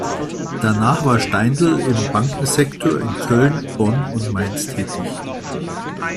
Danach war Steindl im Bankensektor in Köln, Bonn und Mainz tätig.